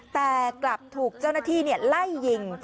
แต่กลับถูกเจ้าหน้าที่ไล่ยิง